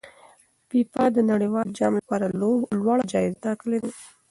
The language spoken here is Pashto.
فیفا د نړیوال جام لپاره لوړه جایزه ټاکلې ده.